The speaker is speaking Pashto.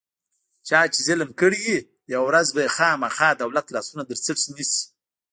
چا چې ظلم کړی وي، یوه ورځ به یې خوامخا دولت لاسونه ترڅټ نیسي.